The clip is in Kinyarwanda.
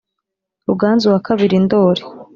ruganzu wa kabiri ndoli